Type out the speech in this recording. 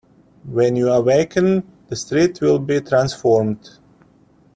When you awaken, the street will be transformed.